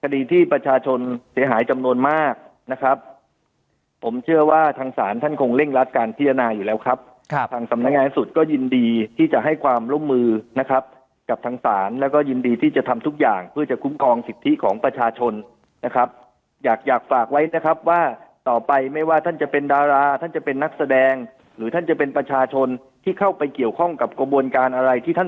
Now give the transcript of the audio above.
โกงประชาชนร่วมกันเช่าโกงประชาชนร่วมกันเช่าโกงประชาชนร่วมกันเช่าโกงประชาชนร่วมกันเช่าโกงประชาชนร่วมกันเช่าโกงประชาชนร่วมกันเช่าโกงประชาชนร่วมกันเช่าโกงประชาชนร่วมกันเช่าโกงประชาชนร่วมกันเช่าโกงประชาชนร่วมกันเช่าโกงประชาชนร่วมกันเช่าโ